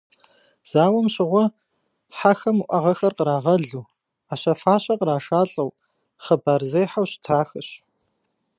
Зауэм щыгъуэ хьэхэм уӏэгъэхэр кърагъэлу, ӏэщэ-фащэ кърашалӏэу, хъыбар зехьэу щытахэщ.